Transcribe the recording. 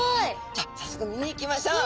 じゃあさっそく見に行きましょう。